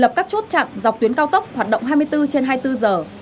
lập các chốt chặn dọc tuyến cao tốc hoạt động hai mươi bốn trên hai mươi bốn giờ